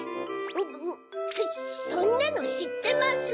そそんなのしってます。